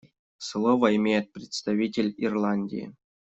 Слово имеет представитель Ирландии.